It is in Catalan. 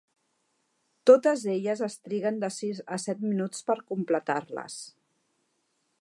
Totes elles es triguen de sis a set minuts per completar-les.